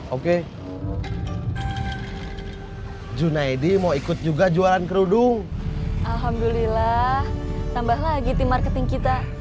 oke junaidi mau ikut juga jualan kerudung alhamdulillah tambah lagi tim marketing kita